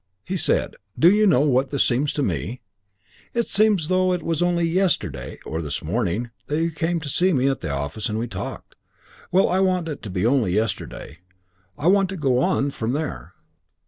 He said, "Do you know what this seems to me? It seems as though it was only yesterday, or this morning, that you came to see me at the office and we talked. Well, I want it to be only yesterday. I want to go on from there."